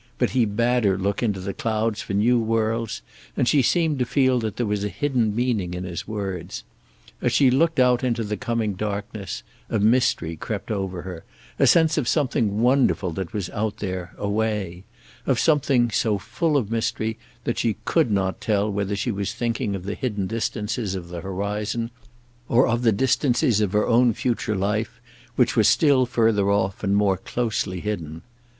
But he bade her look into the clouds for new worlds, and she seemed to feel that there was a hidden meaning in his words. As she looked out into the coming darkness, a mystery crept over her, a sense of something wonderful that was out there, away, of something so full of mystery that she could not tell whether she was thinking of the hidden distances of the horizon, or of the distances of her own future life, which were still further off and more closely hidden.